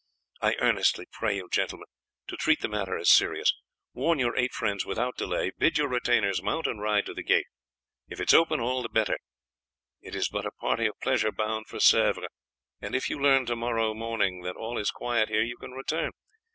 I earnestly pray you, gentlemen, to treat the matter as serious. Warn your eight friends without delay; bid your retainers mount and ride to the gate. If it is open, all the better, it is but a party of pleasure bound for Sèvres, and if you learn to morrow morning that all is quiet here you can return.